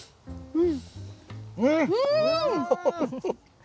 うん！